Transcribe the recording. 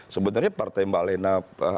sebenarnya partai mbak lena